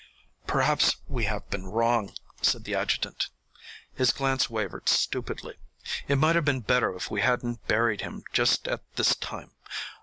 "Perhaps we have been wrong," said the adjutant. His glance wavered stupidly. "It might have been better if we hadn't buried him just at this time.